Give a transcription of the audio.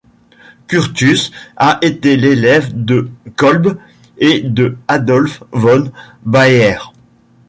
Curtius a été l'élève de Kolbe et de Adolf von Baeyer.